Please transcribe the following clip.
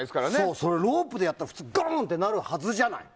それをロープでやったらゴンッ！となるはずじゃない。